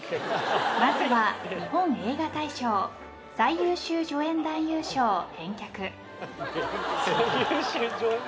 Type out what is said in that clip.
まずは日本映画大賞最優秀助演男優賞返却。